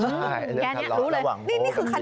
ใช่เรื่องขัดหลอดระหว่างโบกกับกิน